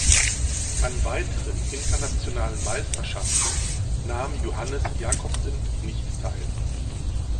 An weiteren internationalen Meisterschaften nahm Johannes Jakobsen nicht teil.